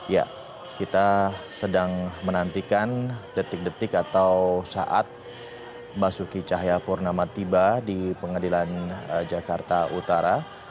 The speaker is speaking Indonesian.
ya kita sedang menantikan detik detik atau saat basuki cahayapurnama tiba di pengadilan jakarta utara